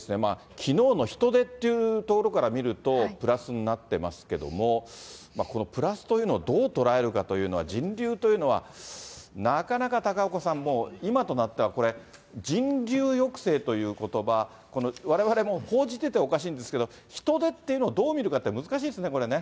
きのうの人出っていうところから見ると、プラスになってますけども、このプラスというのをどう捉えるかというのは、人流というのは、なかなか高岡さん、もう、今となってはこれ、人流抑制ということば、われわれも報じてておかしいんですけど、人出っていうのをどう見るかっていうのは難しいですね、これね。